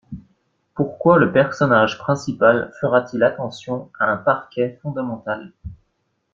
Pourquoi le personnage principal fera-t-il attention à un parquet fondamental?